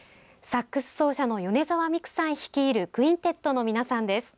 サックス奏者の米澤美玖さん率いるクインテットの皆さんです。